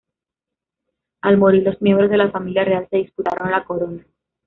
Al morir los miembros de la familia real se disputaron la corona.